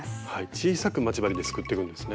小さく待ち針ですくっていくんですね。